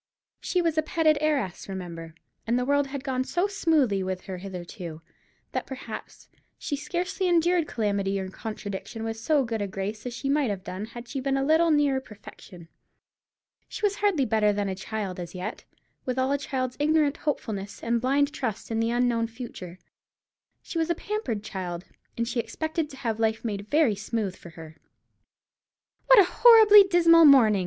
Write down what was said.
She was a petted heiress, remember, and the world had gone so smoothly with her hitherto, that perhaps she scarcely endured calamity or contradiction with so good a grace as she might have done had she been a little nearer perfection. She was hardly better than a child as yet, with all a child's ignorant hopefulness and blind trust in the unknown future. She was a pampered child, and she expected to have life made very smooth for her. "What a horribly dismal morning!"